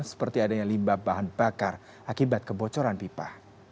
seperti adanya limbah bahan bakar akibat kebocoran pipa